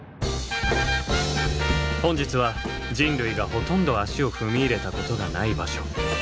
本日は人類がほとんど足を踏み入れたことがない場所